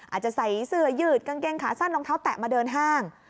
อาจจะใส่เสื้อยืดกางเกงขาสั้นรองเท้าแตะมาเดินห้าง